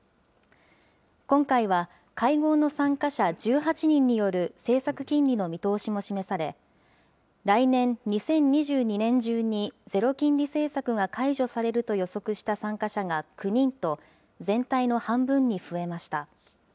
今回は、会合の参加者１８人による政策金利の見通しも示され、来年・２０２２年中にゼロ金利政策が解除されると予測した参加者が９人と、全体の半分に増えました。